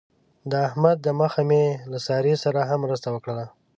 د احمد د مخه مې له سارې سره هم مرسته وکړله.